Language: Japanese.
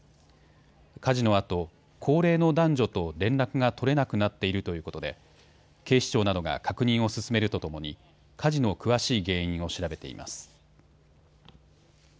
火事のあと高齢の男女と連絡が取れなくなっているということで警視庁などが確認を進めるとともに火事の詳しい原因を調べています。